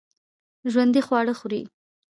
ژوندي خواړه خوري